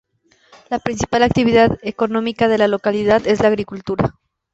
La principal actividad económica de la localidad es la agricultura.